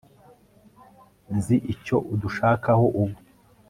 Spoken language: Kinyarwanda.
sinzi icyo udushakaho ubu